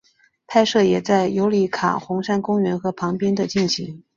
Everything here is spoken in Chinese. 拍摄也在尤里卡红杉公园和旁边的进行。